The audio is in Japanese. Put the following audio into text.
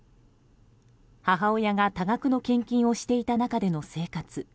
母親が多額の献金をしていた中での生活。